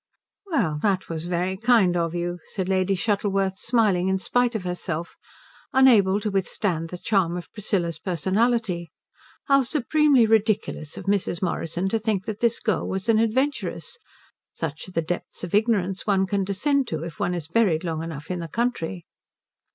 "Well that was very kind of you," said Lady Shuttleworth, smiling in spite of herself, unable to withstand the charm of Priscilla's personality. How supremely ridiculous of Mrs. Morrison to think that this girl was an adventuress. Such are the depths of ignorance one can descend to if one is buried long enough in the country.